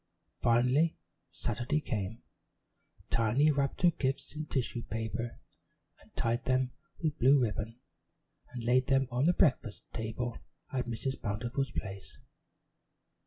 Finally Saturday came. Tiny wrapped her gifts in tissue paper and tied them with blue ribbon, and laid them on the breakfast table at Mrs. Bountiful's place.